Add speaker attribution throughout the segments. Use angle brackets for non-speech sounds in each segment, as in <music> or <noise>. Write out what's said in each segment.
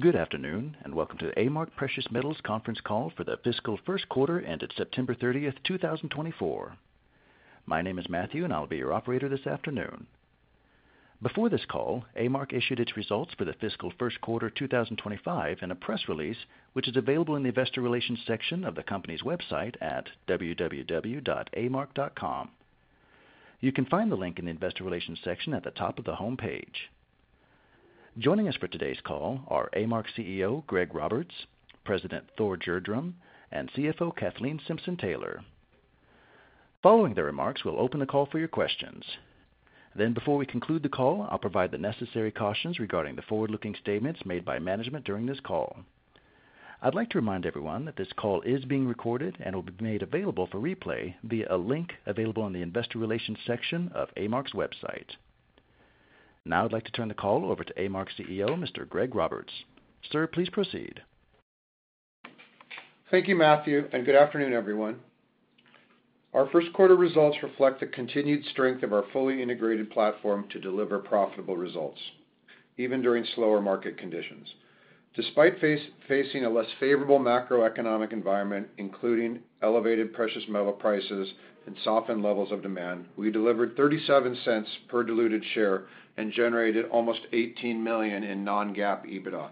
Speaker 1: Good afternoon, and welcome to the A-Mark Precious Metals conference call for the fiscal Q1 ended September 30th, 2024. My name is Matthew, and I'll be your operator this afternoon. Before this call, A-Mark issued its results for the fiscal Q1 2025 in a press release, which is available in the investor relations section of the company's website at www.amark.com. You can find the link in the investor relations section at the top of the homepage. Joining us for today's call are A-Mark CEO Greg Roberts, President Thor Gerdrum, and CFO Kathleen Simpson-Taylor. Following their remarks, we'll open the call for your questions. Then, before we conclude the call, I'll provide the necessary cautions regarding the forward-looking statements made by management during this call. I'd like to remind everyone that this call is being recorded and will be made available for replay via a link available in the investor relations section of A-Mark's website. Now, I'd like to turn the call over to A-Mark CEO Mr. Greg Roberts. Sir, please proceed.
Speaker 2: Thank you, Matthew, and good afternoon, everyone. Our Q1 results reflect the continued strength of our fully integrated platform to deliver profitable results, even during slower market conditions. Despite facing a less favorable macroeconomic environment, including elevated precious metal prices and softened levels of demand, we delivered $0.37 per diluted share and generated almost $18 million in non-GAAP EBITDA.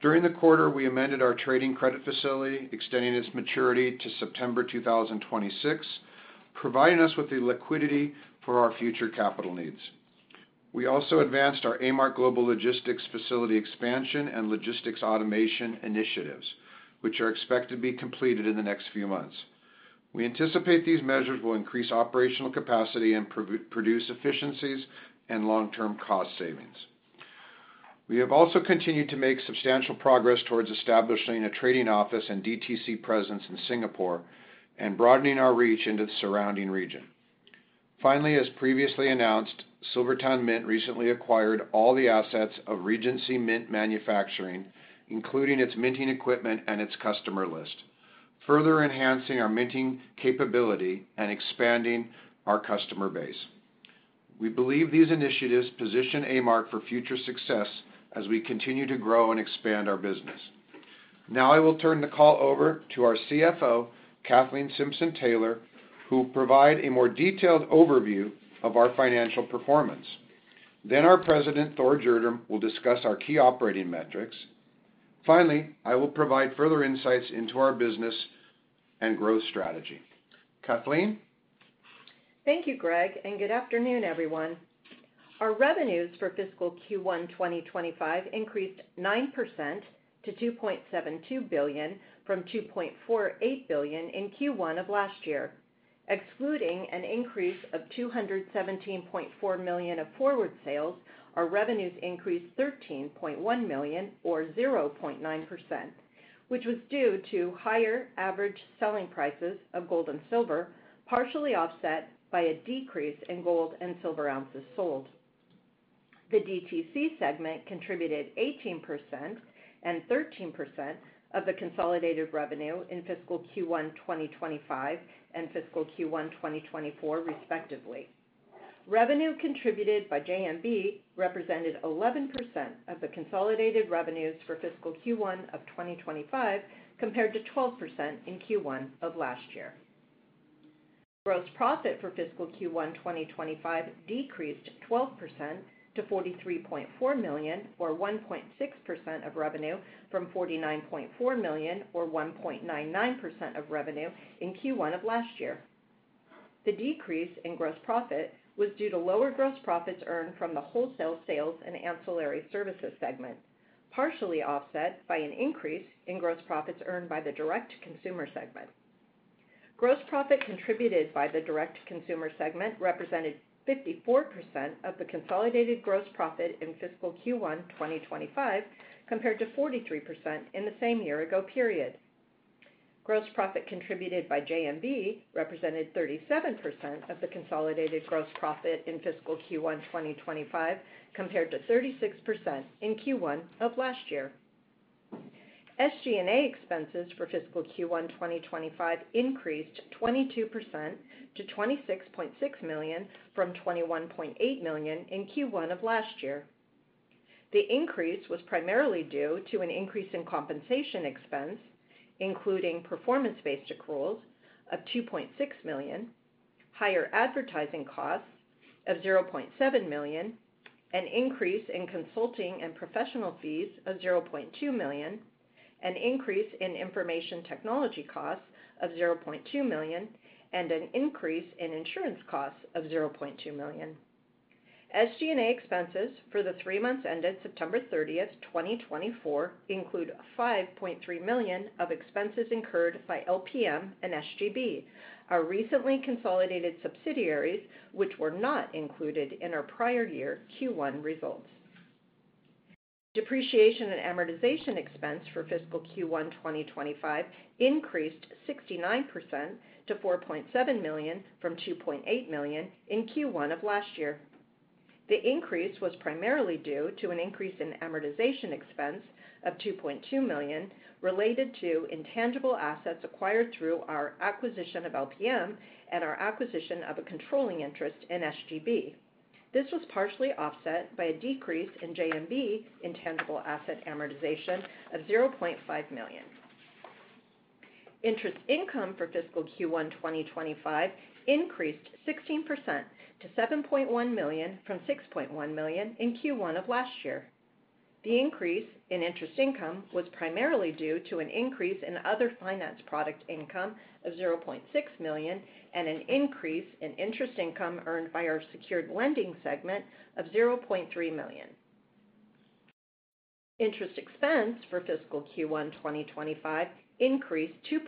Speaker 2: During the quarter, we amended our trading credit facility, extending its maturity to September 2026, providing us with the liquidity for our future capital needs. We also advanced our A-Mark Global Logistics facility expansion and logistics automation initiatives, which are expected to be completed in the next few months. We anticipate these measures will increase operational capacity and produce efficiencies and long-term cost savings. We have also continued to make substantial progress towards establishing a trading office and DTC presence in Singapore and broadening our reach into the surrounding region. Finally, as previously announced, SilverTowne Mint recently acquired all the assets of Regency Mint Manufacturing, including its minting equipment and its customer list, further enhancing our minting capability and expanding our customer base. We believe these initiatives position A-Mark for future success as we continue to grow and expand our business. Now, I will turn the call over to our CFO, Kathleen Simpson-Taylor, who will provide a more detailed overview of our financial performance. Then, our President, Thor Gjerdrum, will discuss our key operating metrics. Finally, I will provide further insights into our business and growth strategy. Kathleen?
Speaker 3: Thank you, Greg, and good afternoon, everyone. Our revenues for fiscal Q1 2025 increased 9% to $2.72 billion from $2.48 billion in Q1 of last year. Excluding an increase of $217.4 million of forward sales, our revenues increased $13.1 million, or 0.9%, which was due to higher average selling prices of gold and silver, partially offset by a decrease in gold and silver ounces sold. The DTC segment contributed 18% and 13% of the consolidated revenue in fiscal Q1 2025 and fiscal Q1 2024, respectively. Revenue contributed by JMB represented 11% of the consolidated revenues for fiscal Q1 of 2025, compared to 12% in Q1 of last year. Gross profit for fiscal Q1 2025 decreased 12% to $43.4 million, or 1.6% of revenue from $49.4 million, or 1.99% of revenue in Q1 of last year. The decrease in gross profit was due to lower gross profits earned from the wholesale sales and ancillary services segment, partially offset by an increase in gross profits earned by the direct-to-consumer segment. Gross profit contributed by the direct-to-consumer segment represented 54% of the consolidated gross profit in fiscal Q1 2025, compared to 43% in the same year-ago period. Gross profit contributed by JMB represented 37% of the consolidated gross profit in fiscal Q1 2025, compared to 36% in Q1 of last year. SG&A expenses for fiscal Q1 2025 increased 22% to $26.6 million from $21.8 million in Q1 of last year. The increase was primarily due to an increase in compensation expense, including performance-based accruals of $2.6 million, higher advertising costs of $0.7 million, an increase in consulting and professional fees of $0.2 million, an increase in information technology costs of $0.2 million, and an increase in insurance costs of $0.2 million. SG&A expenses for the three months ended September 30th, 2024, include $5.3 million of expenses incurred by LPM and SGB, our recently consolidated subsidiaries, which were not included in our prior year Q1 results. Depreciation and amortization expense for fiscal Q1 2025 increased 69% to $4.7 million from $2.8 million in Q1 of last year. The increase was primarily due to an increase in amortization expense of $2.2 million related to intangible assets acquired through our acquisition of LPM and our acquisition of a controlling interest in SGB. This was partially offset by a decrease in JMB intangible asset amortization of $0.5 million. Interest income for fiscal Q1 2025 increased 16% to $7.1 million from $6.1 million in Q1 of last year. The increase in interest income was primarily due to an increase in other finance product income of $0.6 million and an increase in interest income earned by our secured lending segment of $0.3 million. Interest expense for fiscal Q1 2025 increased 2%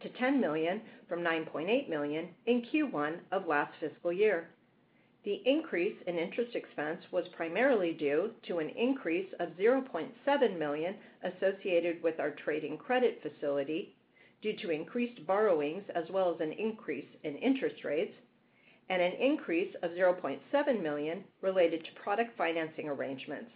Speaker 3: to $10 million from $9.8 million in Q1 of last fiscal year. The increase in interest expense was primarily due to an increase of $0.7 million associated with our trading credit facility due to increased borrowings, as well as an increase in interest rates, and an increase of $0.7 million related to product financing arrangements.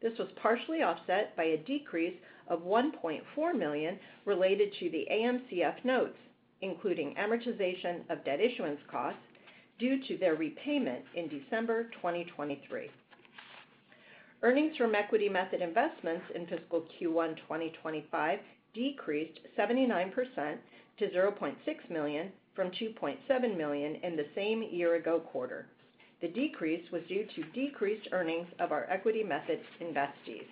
Speaker 3: This was partially offset by a decrease of $1.4 million related to the AMCF notes, including amortization of debt issuance costs due to their repayment in December 2023. Earnings from equity method investments in fiscal Q1 2025 decreased 79% to $0.6 million from $2.7 million in the same year-ago quarter. The decrease was due to decreased earnings of our equity method investees.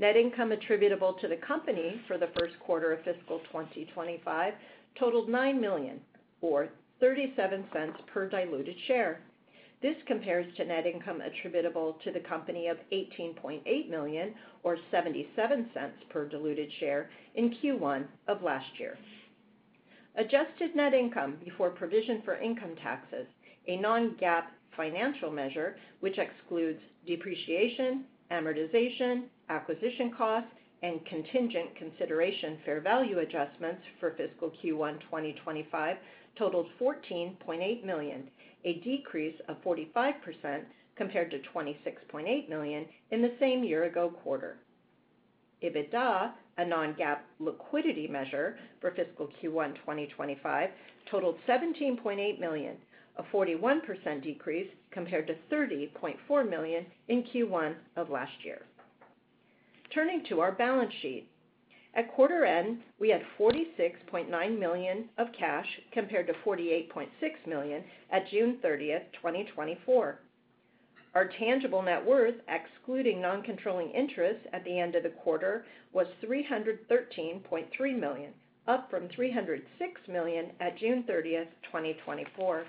Speaker 3: Net income attributable to the company for the Q1 of fiscal 2025 totaled $9 million, or $0.37 per diluted share. This compares to net income attributable to the company of $18.8 million, or $0.77 per diluted share in Q1 of last year. Adjusted net income before provision for income taxes, a non-GAAP financial measure which excludes depreciation, amortization, acquisition costs, and contingent consideration fair value adjustments for fiscal Q1 2025, totaled $14.8 million, a decrease of 45% compared to $26.8 million in the same year-ago quarter. EBITDA, a non-GAAP liquidity measure for fiscal Q1 2025, totaled $17.8 million, a 41% decrease compared to $30.4 million in Q1 of last year. Turning to our balance sheet, at quarter end, we had $46.9 million of cash compared to $48.6 million at June 30th, 2024. Our tangible net worth, excluding non-controlling interest at the end of the quarter, was $313.3 million, up from $306 million at June 30th, 2024.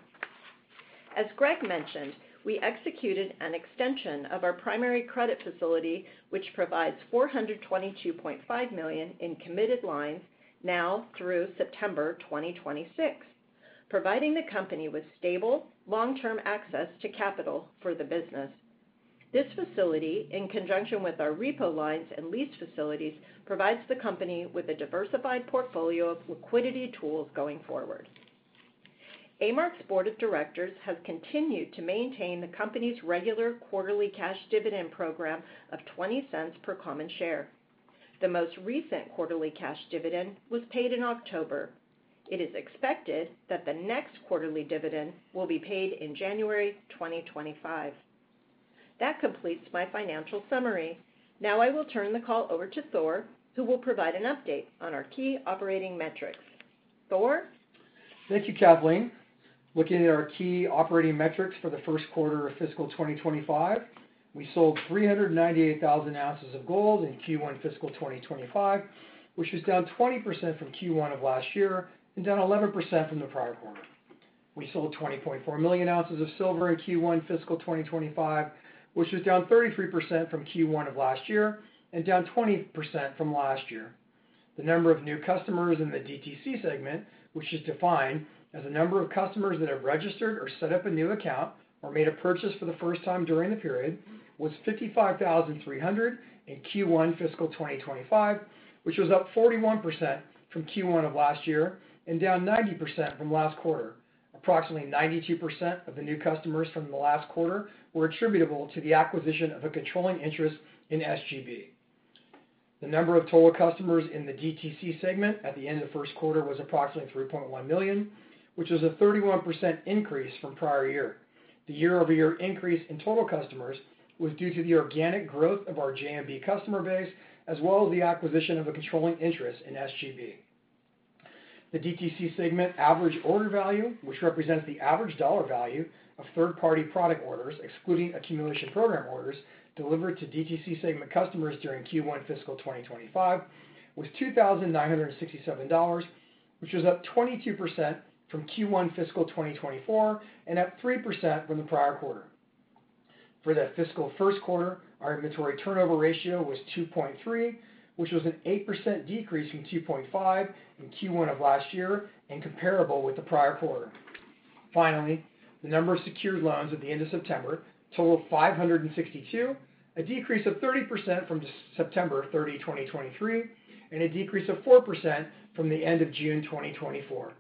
Speaker 3: As Greg mentioned, we executed an extension of our primary credit facility, which provides $422.5 million in committed lines now through September 2026, providing the company with stable, long-term access to capital for the business. This facility, in conjunction with our repo lines and lease facilities, provides the company with a diversified portfolio of liquidity tools going forward. A-Mark's board of directors has continued to maintain the company's regular quarterly cash dividend program of $0.20 per common share. The most recent quarterly cash dividend was paid in October. It is expected that the next quarterly dividend will be paid in January 2025. That completes my financial summary. Now, I will turn the call over to Thor, who will provide an update on our key operating metrics. Thor?
Speaker 4: Thank you, Kathleen. Looking at our key operating metrics for the Q1 of fiscal 2025, we sold 398,000 ounces of gold in Q1 fiscal 2025, which was down 20% from Q1 of last year and down 11% from the prior quarter. We sold 20.4 million ounces of silver in Q1 fiscal 2025, which was down 33% from Q1 of last year and down 20% from last year. The number of new customers in the DTC segment, which is defined as the number of customers that have registered or set up a new account or made a purchase for the first time during the period, was 55,300 in Q1 fiscal 2025, which was up 41% from Q1 of last year and down 90% from last quarter. Approximately 92% of the new customers from the last quarter were attributable to the acquisition of a controlling interest in SGB. The number of total customers in the DTC segment at the end of the Q1 was approximately 3.1 million, which was a 31% increase from prior year. The year-over-year increase in total customers was due to the organic growth of our JMB customer base, as well as the acquisition of a controlling interest in SGB. The DTC segment average order value, which represents the average dollar value of third-party product orders, excluding accumulation program orders delivered to DTC segment customers during Q1 fiscal 2025, was $2,967, which was up 22% from Q1 fiscal 2024 and up 3% from the prior quarter. For the fiscal Q1, our inventory turnover ratio was 2.3, which was an 8% decrease from 2.5 in Q1 of last year and comparable with the prior quarter. Finally, the number of secured loans at the end of September totaled 562, a decrease of 30% from September 30, 2023, and a decrease of 4% from the end of June 2024.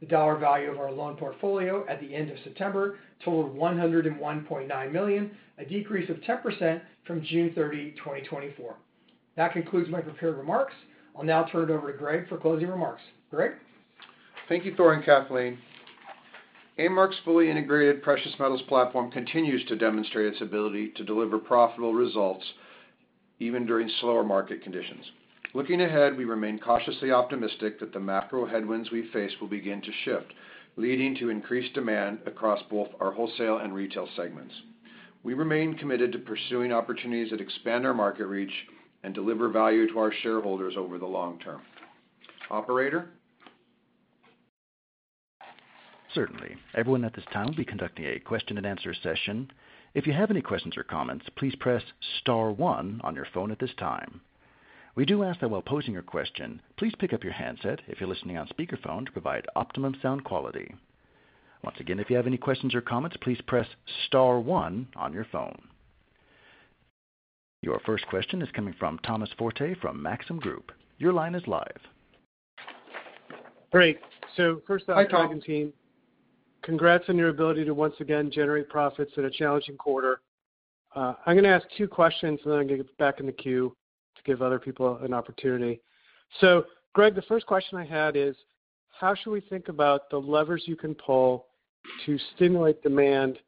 Speaker 4: The dollar value of our loan portfolio at the end of September totaled $101.9 million, a decrease of 10% from June 30, 2024. That concludes my prepared remarks. I'll now turn it over to Greg for closing remarks. Greg?
Speaker 2: Thank you, Thor and Kathleen. A-Mark's fully integrated precious metals platform continues to demonstrate its ability to deliver profitable results even during slower market conditions. Looking ahead, we remain cautiously optimistic that the macro headwinds we face will begin to shift, leading to increased demand across both our wholesale and retail segments. We remain committed to pursuing opportunities that expand our market reach and deliver value to our shareholders over the long term. Operator?
Speaker 1: Certainly. Everyone at this time will be conducting a question-and-answer session. If you have any questions or comments, please press Star 1 on your phone at this time. We do ask that while posing your question, please pick up your handset if you're listening on speakerphone to provide optimum sound quality. Once again, if you have any questions or comments, please press Star 1 on your phone. Your first question is coming from Thomas Forte from Maxim Group. Your line is live.
Speaker 5: Great, so first off. <crosstalk> Thank you, team. Congrats on your ability to once again generate profits in a challenging quarter. I'm going to ask two questions, and then I'm going to get back in the queue to give other people an opportunity. So Greg, the first question I had is, how should we think about the levers you can pull to stimulate demand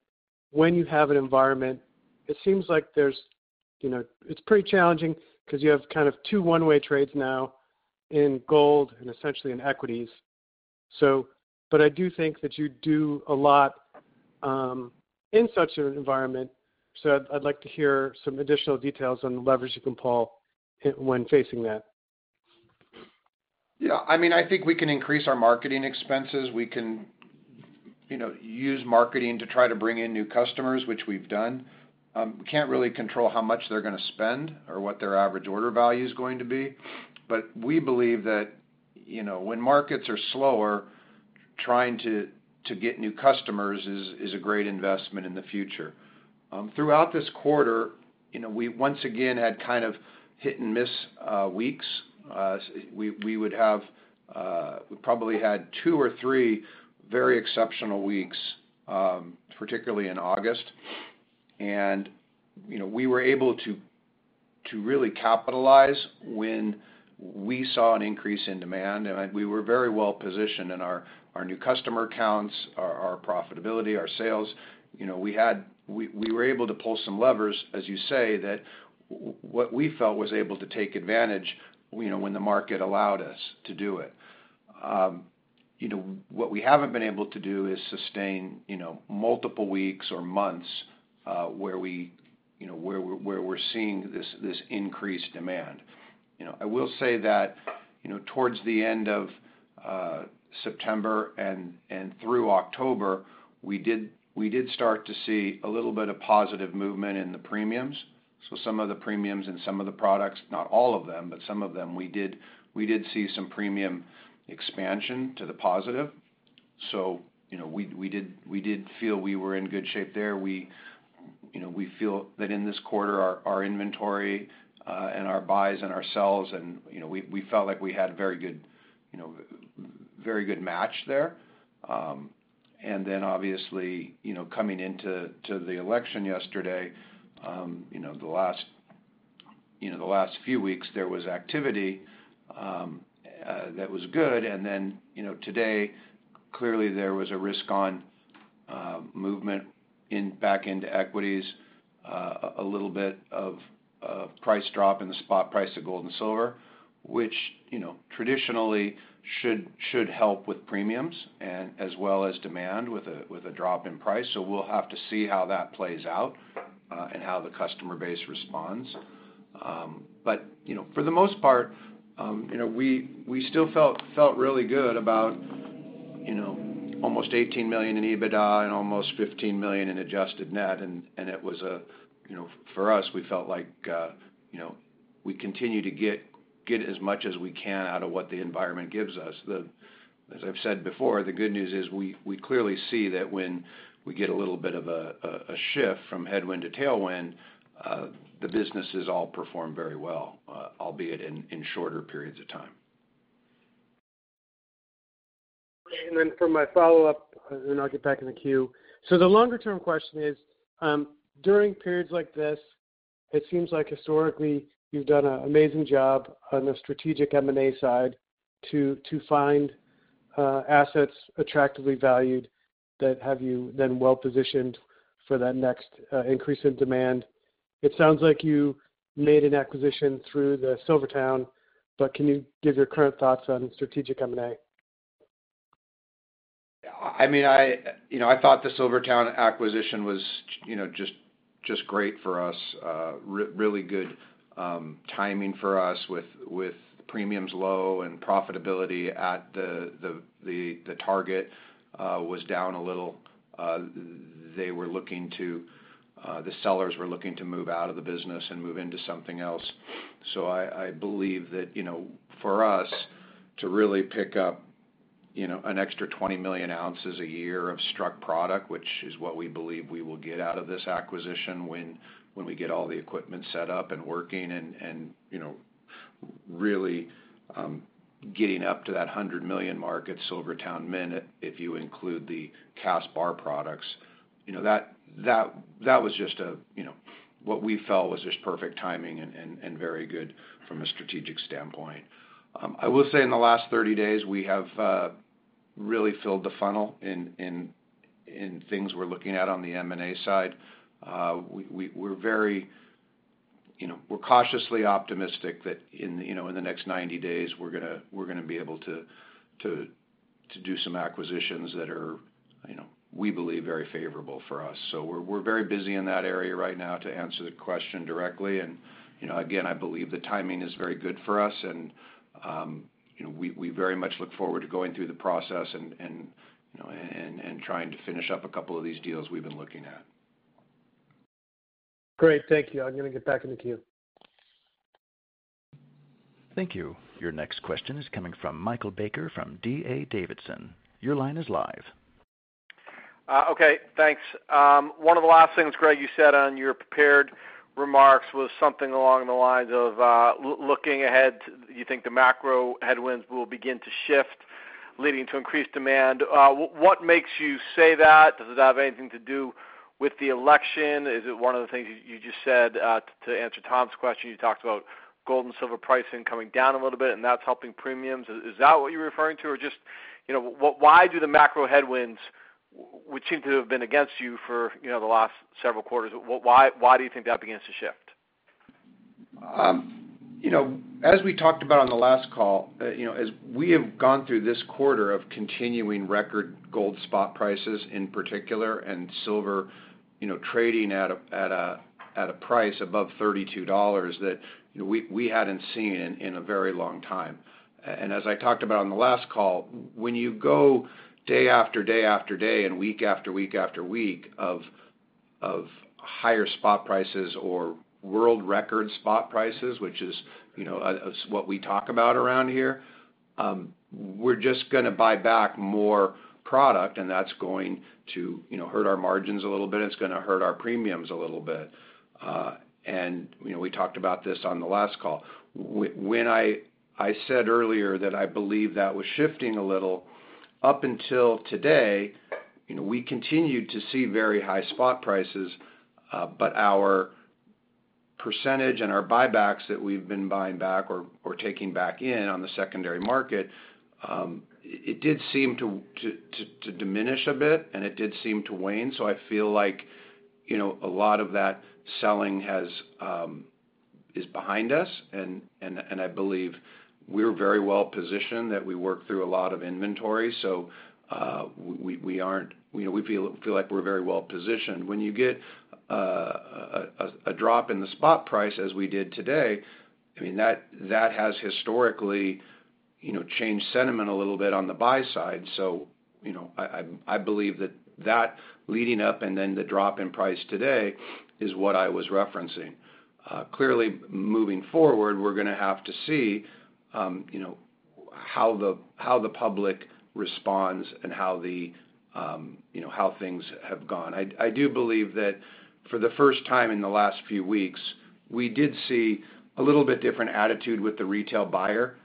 Speaker 5: when you have an environment? It seems like there's. It's pretty challenging because you have kind of two one-way trades now in gold and essentially in equities. But I do think that you do a lot in such an environment. So I'd like to hear some additional details on the levers you can pull when facing that.
Speaker 2: Yeah. I mean, I think we can increase our marketing expenses. We can use marketing to try to bring in new customers, which we've done. We can't really control how much they're going to spend or what their average order value is going to be. But we believe that when markets are slower, trying to get new customers is a great investment in the future. Throughout this quarter, we once again had kind of hit-and-miss weeks. We would have—we probably had two or three very exceptional weeks, particularly in August. And we were able to really capitalize when we saw an increase in demand. And we were very well positioned in our new customer counts, our profitability, our sales. We were able to pull some levers, as you say, that what we felt was able to take advantage when the market allowed us to do it. What we haven't been able to do is sustain multiple weeks or months where we're seeing this increased demand. I will say that towards the end of September and through October, we did start to see a little bit of positive movement in the premiums. So some of the premiums and some of the products, not all of them but some of them, we did see some premium expansion to the positive. So we did feel we were in good shape there. We feel that in this quarter, our inventory and our buys and our sells, and we felt like we had a very good match there, and then, obviously, coming into the election yesterday, the last few weeks, there was activity that was good. And then today, clearly, there was a risk-on movement back into equities, a little bit of price drop in the spot price of gold and silver, which traditionally should help with premiums as well as demand with a drop in price. So we'll have to see how that plays out and how the customer base responds. But for the most part, we still felt really good about almost $18 million in EBITDA and almost $15 million in adjusted net. And it was, for us, we felt like we continue to get as much as we can out of what the environment gives us. As I've said before, the good news is we clearly see that when we get a little bit of a shift from headwind to tailwind, the businesses all perform very well, albeit in shorter periods of time.
Speaker 5: And then for my follow-up, and then I'll get back in the queue. So the longer-term question is, during periods like this, it seems like historically you've done an amazing job on the strategic M&A side to find assets attractively valued that have you then well-positioned for that next increase in demand. It sounds like you made an acquisition through the SilverTowne, but can you give your current thoughts on strategic M&A?
Speaker 2: I mean, I thought the SilverTowne acquisition was just great for us, really good timing for us with premiums low and profitability at the target was down a little. They were looking to—the sellers were looking to move out of the business and move into something else. So I believe that for us to really pick up an extra 20 million ounces a year of struck product, which is what we believe we will get out of this acquisition when we get all the equipment set up and working and really getting up to that 100 million mark, at SilverTowne Mint, if you include the cast bar products, that was just what we felt was just perfect timing and very good from a strategic standpoint. I will say in the last 30 days, we have really filled the funnel in things we're looking at on the M&A side. We're cautiously optimistic that in the next 90 days, we're going to be able to do some acquisitions that we believe are very favorable for us. So we're very busy in that area right now to answer the question directly. And again, I believe the timing is very good for us. And we very much look forward to going through the process and trying to finish up a couple of these deals we've been looking at.
Speaker 5: Great. Thank you. I'm going to get back in the queue.
Speaker 1: Thank you. Your next question is coming from Michael Baker from D.A. Davidson. Your line is live.
Speaker 6: Okay. Thanks. One of the last things, Greg, you said on your prepared remarks was something along the lines of looking ahead. You think the macro headwinds will begin to shift, leading to increased demand. What makes you say that? Does it have anything to do with the election? Is it one of the things you just said to answer Tom's question? You talked about gold and silver pricing coming down a little bit, and that's helping premiums. Is that what you're referring to? Or just why do the macro headwinds, which seem to have been against you for the last several quarters, why do you think that begins to shift?
Speaker 2: As we talked about on the last call, as we have gone through this quarter of continuing record gold spot prices in particular and silver trading at a price above $32 that we hadn't seen in a very long time, and as I talked about on the last call, when you go day after day after day and week after week after week of higher spot prices or world record spot prices, which is what we talk about around here, we're just going to buy back more product, and that's going to hurt our margins a little bit. It's going to hurt our premiums a little bit, and we talked about this on the last call. When I said earlier that I believe that was shifting a little, up until today, we continued to see very high spot prices, but our percentage and our buybacks that we've been buying back or taking back in on the secondary market, it did seem to diminish a bit, and it did seem to wane. So I feel like a lot of that selling is behind us, and I believe we're very well positioned that we work through a lot of inventory, so we feel like we're very well positioned. When you get a drop in the spot price as we did today, I mean, that has historically changed sentiment a little bit on the buy side, so I believe that that leading up and then the drop in price today is what I was referencing. Clearly, moving forward, we're going to have to see how the public responds and how things have gone. I do believe that for the first time in the last few weeks, we did see a little bit different attitude with the retail buyer.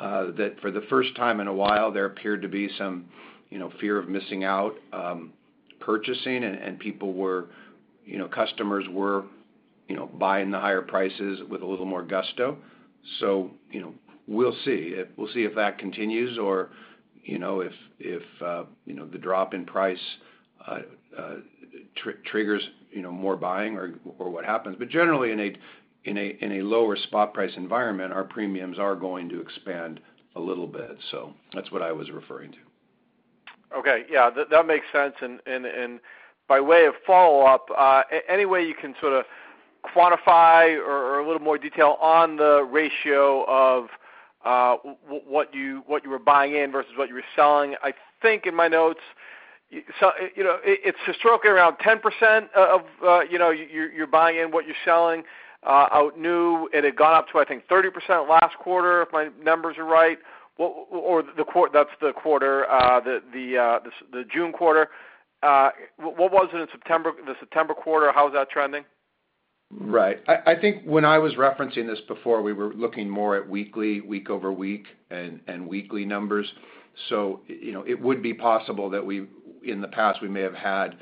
Speaker 2: That for the first time in a while, there appeared to be some fear of missing out purchasing, and customers were buying the higher prices with a little more gusto. So we'll see. We'll see if that continues or if the drop in price triggers more buying or what happens. But generally, in a lower spot price environment, our premiums are going to expand a little bit. So that's what I was referring to.
Speaker 6: Okay. Yeah. That makes sense. And by way of follow-up, any way you can sort of quantify or a little more detail on the ratio of what you were buying in versus what you were selling? I think in my notes, it's historically around 10% of your buying in what you're selling. And it got up to, I think, 30% last quarter, if my numbers are right. Or that's the quarter, the June quarter. What was it in the September quarter? How's that trending?
Speaker 2: Right. I think when I was referencing this before, we were looking more at weekly, week-over-week, and weekly numbers. So it would be possible that in the past, we may have had,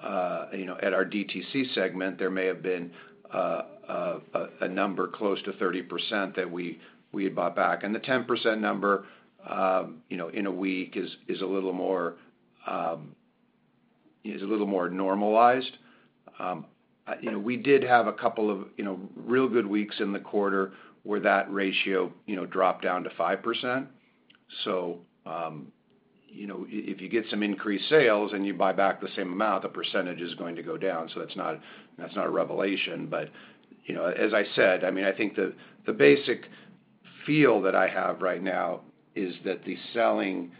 Speaker 2: at our DTC segment, there may have been a number close to 30% that we had bought back, and the 10% number in a week is a little more normalized. We did have a couple of real good weeks in the quarter where that ratio dropped down to 5%, so if you get some increased sales and you buy back the same amount, the percentage is going to go down, so that's not a revelation, but as I said, I mean, I think the basic feel that I have right now is that the selling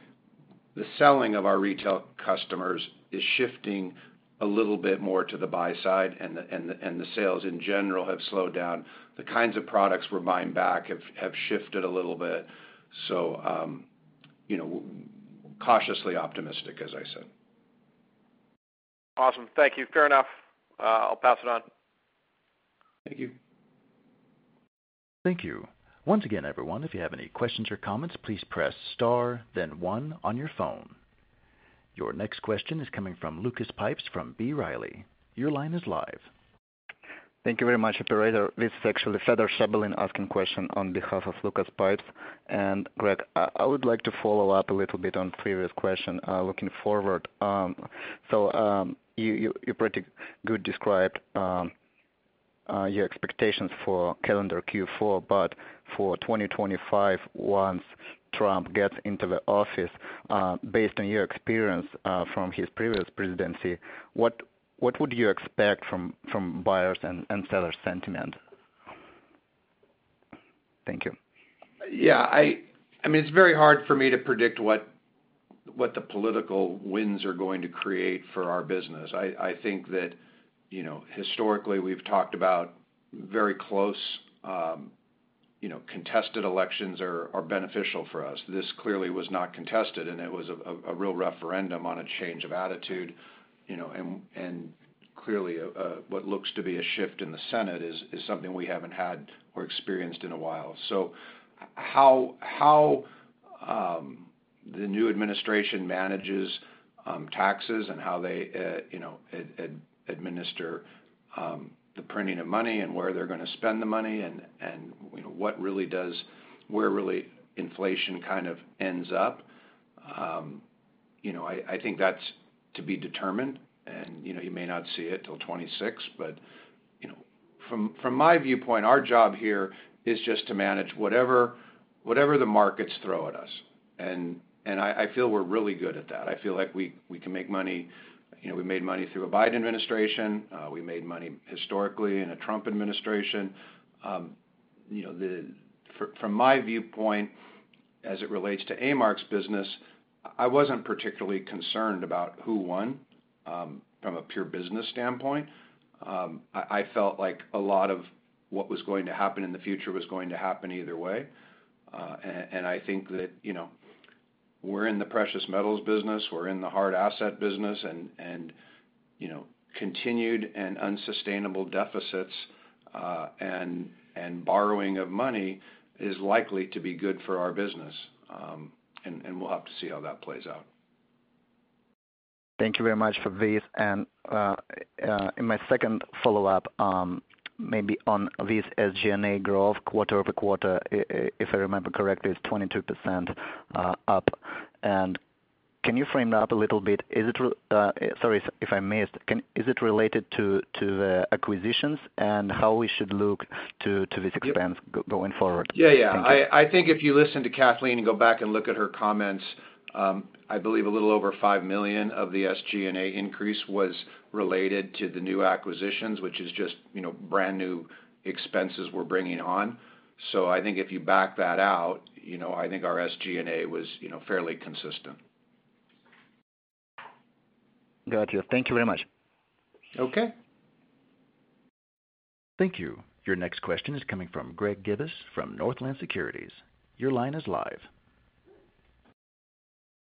Speaker 2: of our retail customers is shifting a little bit more to the buy side, and the sales in general have slowed down. The kinds of products we're buying back have shifted a little bit. So cautiously optimistic, as I said.
Speaker 6: Awesome. Thank you. Fair enough. I'll pass it on.
Speaker 2: Thank you.
Speaker 1: Thank you. Once again, everyone, if you have any questions or comments, please press star, then one on your phone. Your next question is coming from Lucas Pipes from B. Riley. Your line is live.
Speaker 7: Thank you very much. This is actually Feather Sutherland asking a question on behalf of Lucas Pipes. Greg, I would like to follow up a little bit on the previous question, looking forward. You pretty well described your expectations for calendar Q4, but for 2025, once Trump gets into the office, based on your experience from his previous presidency, what would you expect from buyers and sellers' sentiment? Thank you.
Speaker 2: Yeah. I mean, it's very hard for me to predict what the political winds are going to create for our business. I think that historically, we've talked about very close contested elections are beneficial for us. This clearly was not contested, and it was a real referendum on a change of attitude. And clearly, what looks to be a shift in the Senate is something we haven't had or experienced in a while. So how the new administration manages taxes and how they administer the printing of money and where they're going to spend the money and what really does where really inflation kind of ends up, I think that's to be determined. And you may not see it till 2026, but from my viewpoint, our job here is just to manage whatever the markets throw at us. And I feel we're really good at that. I feel like we can make money. We made money through a Biden administration. We made money historically in a Trump administration. From my viewpoint, as it relates to A-Mark's business, I wasn't particularly concerned about who won from a pure business standpoint. I felt like a lot of what was going to happen in the future was going to happen either way. And I think that we're in the precious metals business. We're in the hard asset business. And continued and unsustainable deficits and borrowing of money is likely to be good for our business. And we'll have to see how that plays out.
Speaker 7: Thank you very much for this. And in my second follow-up, maybe on this SG&A growth, quarter over quarter, if I remember correctly, is 22% up. And can you frame that up a little bit? Sorry if I missed. Is it related to the acquisitions and how we should look to these expenses going forward?
Speaker 2: Yeah. Yeah. I think if you listen to Kathleen and go back and look at her comments, I believe a little over $5 million of the SG&A increase was related to the new acquisitions, which is just brand new expenses we're bringing on. So I think if you back that out, I think our SG&A was fairly consistent.
Speaker 7: Gotcha. Thank you very much.
Speaker 2: Okay.
Speaker 1: Thank you. Your next question is coming from Greg Gibas from Northland Securities. Your line is live.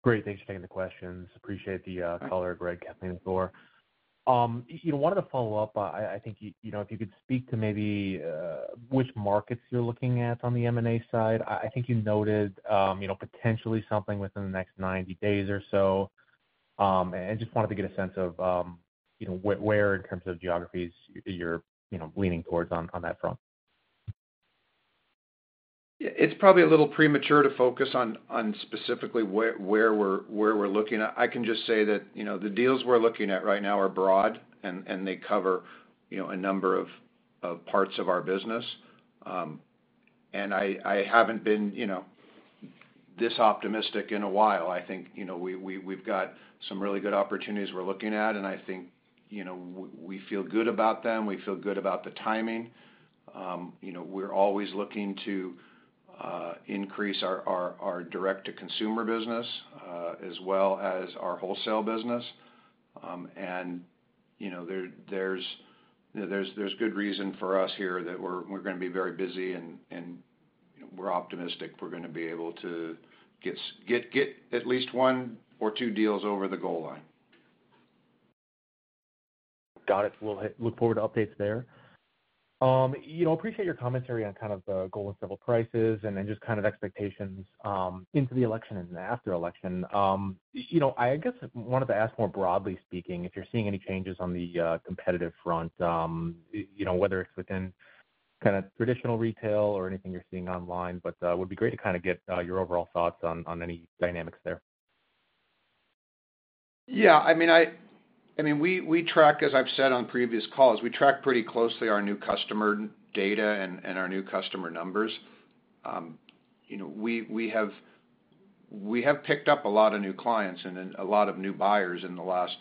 Speaker 8: Great. Thanks for taking the questions. Appreciate the call, Greg, Kathleen, Thor. Wanted to follow up. I think if you could speak to maybe which markets you're looking at on the M&A side. I think you noted potentially something within the next 90 days or so. And just wanted to get a sense of where in terms of geographies you're leaning towards on that front.
Speaker 2: It's probably a little premature to focus on specifically where we're looking. I can just say that the deals we're looking at right now are broad, and they cover a number of parts of our business. And I haven't been this optimistic in a while. I think we've got some really good opportunities we're looking at, and I think we feel good about them. We feel good about the timing. We're always looking to increase our direct-to-consumer business as well as our wholesale business. And there's good reason for us here that we're going to be very busy, and we're optimistic we're going to be able to get at least one or two deals over the goal line.
Speaker 8: Got it. We'll look forward to updates there. Appreciate your commentary on kind of the gold and silver prices and then just kind of expectations into the election and after election. I guess I wanted to ask, more broadly speaking, if you're seeing any changes on the competitive front, whether it's within kind of traditional retail or anything you're seeing online, but would be great to kind of get your overall thoughts on any dynamics there.
Speaker 2: Yeah. I mean, we track, as I've said on previous calls, we track pretty closely our new customer data and our new customer numbers. We have picked up a lot of new clients and a lot of new buyers in the last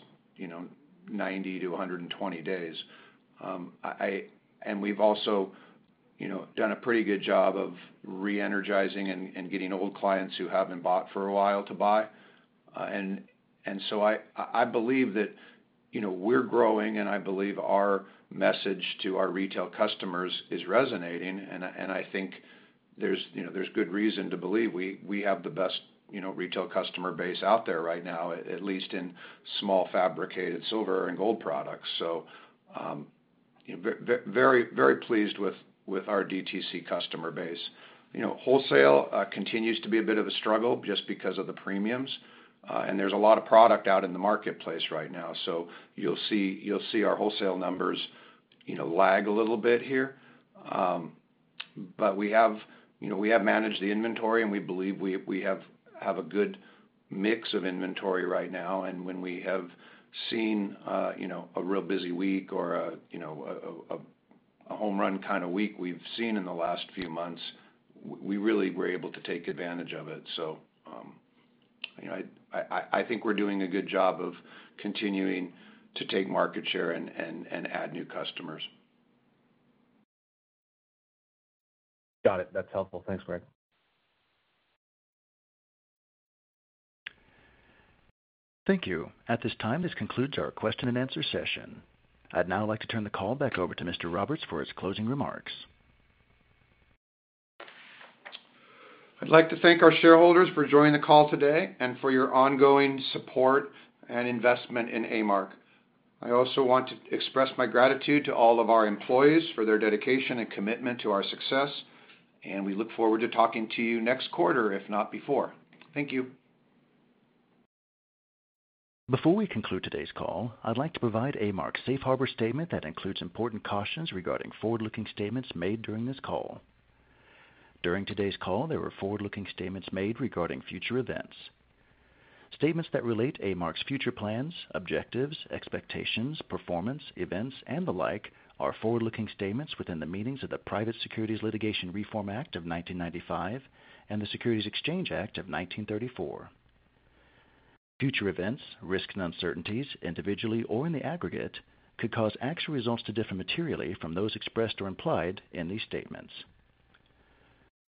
Speaker 2: 90-120 days, and we've also done a pretty good job of re-energizing and getting old clients who haven't bought for a while to buy, and so I believe that we're growing, and I believe our message to our retail customers is resonating, and I think there's good reason to believe we have the best retail customer base out there right now, at least in small fabricated silver and gold products, so very pleased with our DTC customer base. Wholesale continues to be a bit of a struggle just because of the premiums, and there's a lot of product out in the marketplace right now. So you'll see our wholesale numbers lag a little bit here. But we have managed the inventory, and we believe we have a good mix of inventory right now. And when we have seen a real busy week or a home run kind of week we've seen in the last few months, we really were able to take advantage of it. So I think we're doing a good job of continuing to take market share and add new customers.
Speaker 8: Got it. That's helpful. Thanks, Greg.
Speaker 1: Thank you. At this time, this concludes our question and answer session. I'd now like to turn the call back over to Mr. Roberts for his closing remarks.
Speaker 2: I'd like to thank our shareholders for joining the call today and for your ongoing support and investment in A-Mark. I also want to express my gratitude to all of our employees for their dedication and commitment to our success. We look forward to talking to you next quarter, if not before. Thank you.
Speaker 1: Before we conclude today's call, I'd like to provide A-Mark's safe harbor statement that includes important cautions regarding forward-looking statements made during this call. During today's call, there were forward-looking statements made regarding future events. Statements that relate A-Mark's future plans, objectives, expectations, performance, events, and the like are forward-looking statements within the meanings of the Private Securities Litigation Reform Act of 1995 and the Securities Exchange Act of 1934. Future events, risks, and uncertainties, individually or in the aggregate, could cause actual results to differ materially from those expressed or implied in these statements.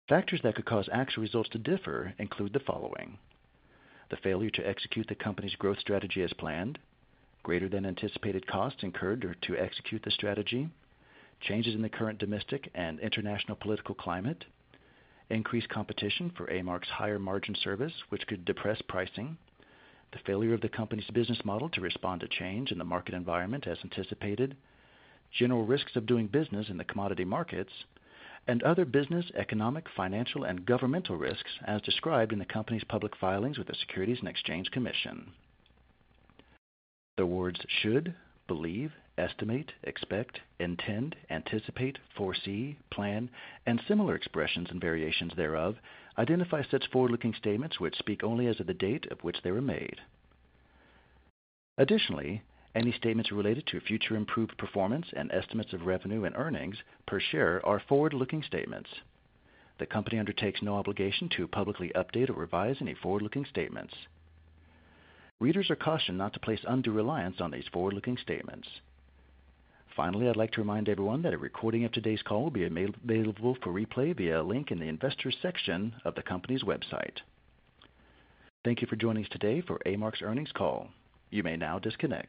Speaker 1: Factors that could cause actual results to differ include the following: the failure to execute the company's growth strategy as planned, greater than anticipated costs incurred to execute the strategy, changes in the current domestic and international political climate, increased competition for A-Mark's higher margin service, which could depress pricing, the failure of the company's business model to respond to change in the market environment as anticipated, general risks of doing business in the commodity markets, and other business, economic, financial, and governmental risks as described in the company's public filings with the Securities and Exchange Commission. The words should, believe, estimate, expect, intend, anticipate, foresee, plan, and similar expressions and variations thereof identify such forward-looking statements which speak only as of the date of which they were made. Additionally, any statements related to future improved performance and estimates of revenue and earnings per share are forward-looking statements. The company undertakes no obligation to publicly update or revise any forward-looking statements. Readers are cautioned not to place undue reliance on these forward-looking statements. Finally, I'd like to remind everyone that a recording of today's call will be available for replay via a link in the investor section of the company's website. Thank you for joining us today for A-Mark's earnings call. You may now disconnect.